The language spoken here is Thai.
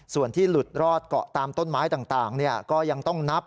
ส่วนที่หลุดรอดเกาะตามต้นไม้ต่างก็ยังต้องนับ